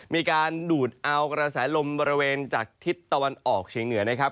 มีการดูดเอากระแสลมบริเวณจากทิศตะวันออกเฉียงเหนือนะครับ